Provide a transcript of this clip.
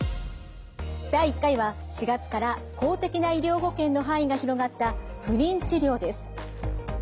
第１回は４月から公的な医療保険の範囲が広がった不妊治療です。